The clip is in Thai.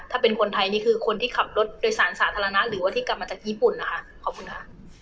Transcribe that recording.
ถ้าเป็นคนไทยนี่คือคนที่ขับรถโดยสารสาธารณะหรือว่าที่กลับมาจากญี่ปุ่นนะคะขอบคุณค่ะ